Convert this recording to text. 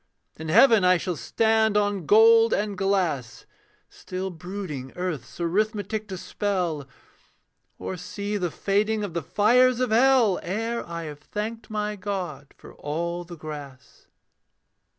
In heaven I shall stand on gold and glass, Still brooding earth's arithmetic to spell; Or see the fading of the fires of hell Ere I have thanked my God for all the grass.